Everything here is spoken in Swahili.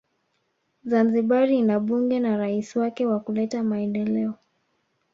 Zanzibari ina bunge na rais wake wakuleta Maendeleo